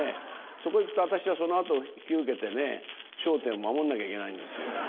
そこいくと私はその後を引き受けて『笑点』を守んなきゃいけないんですよ。